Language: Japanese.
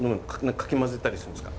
かき混ぜたりするんですか？